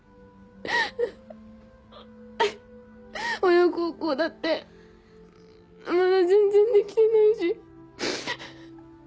親孝行だってまだ全然できてないし。